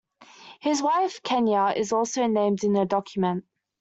His wife Kennya also is named in the document.